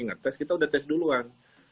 ingat tes kita udah tes duluan lima ratus